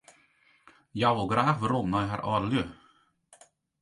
Hja wol graach werom nei har âldelju.